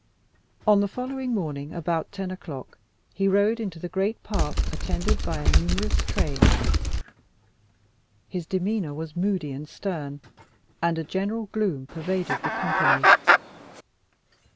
On the following morning, about ten o'clock, he rode into the great park, attended by a numerous train. His demeanour was moody and stern, and a general gloom pervaded the company.